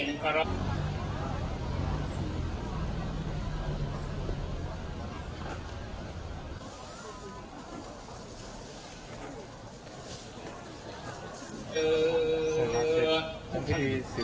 นักโมทรัพย์ภักวะโตอาระโตสัมมาสัมพุทธศาสตร์